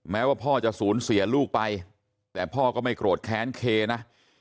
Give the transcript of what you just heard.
แม้ว่าพ่อจะสูญเสียลูกไปแต่พ่อก็ไม่โกรธแค้นเคนะ